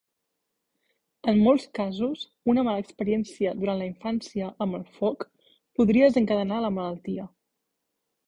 En molts casos una mala experiència durant la infància amb el foc, podria desencadenar la malaltia.